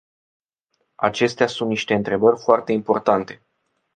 Acestea sunt niște întrebări foarte importante.